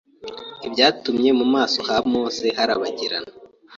ibyatumye mu maso ha Mose harabagirana.